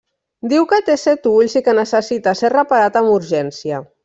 Diu que té set ulls i que necessita ser reparat amb urgència.